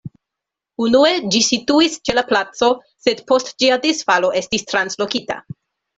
Unue ĝi situis ĉe la placo, sed post ĝia disfalo estis translokita.